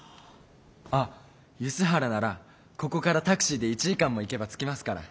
あっ梼原ならここからタクシーで１時間も行けば着きますから。